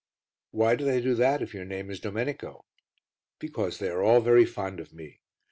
"Why do they do that if your name is Domenico?" "Because they are all very fond of me.